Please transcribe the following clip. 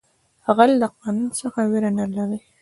غل د قانون څخه ویره نه لري